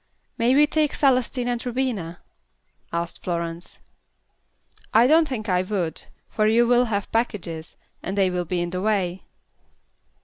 "May we take Celestine and Rubina?" asked Florence. "I don't think I would, for you will have packages, and they will be in the way."